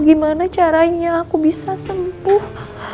gimana caranya aku bisa sembuh